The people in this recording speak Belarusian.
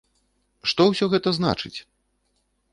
Што ўсё гэта значыць?